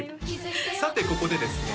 さてここでですね